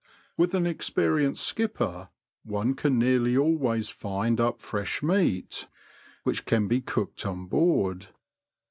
With an experienced skipper, one can nearly always find up fresh meat, which can be cooked on board.